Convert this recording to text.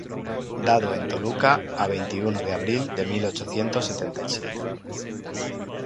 Dado en Toluca á veintiuno de Abril de mil ochocientos setenta y siete.